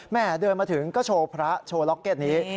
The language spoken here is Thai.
เดินมาถึงก็โชว์พระโชว์ล็อกเก็ตนี้